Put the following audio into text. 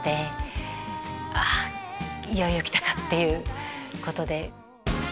あいよいよ来たか！っていうことで。